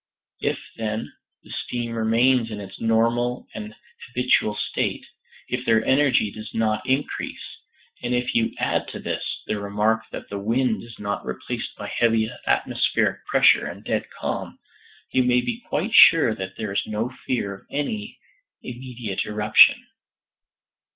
If, then, the steam remains in its normal or habitual state, if their energy does not increase, and if you add to this, the remark that the wind is not replaced by heavy atmospheric pressure and dead calm, you may be quite sure that there is no fear of any immediate eruption."